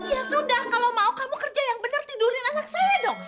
ya sudah kalau mau kamu kerja yang benar tidurin anak saya dong